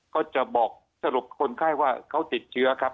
ก็จะบอกสรุปคนไข้ว่าเขาติดเชื้อครับ